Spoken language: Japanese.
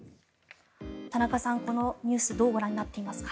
田中さん、このニュースどうご覧になっていますか？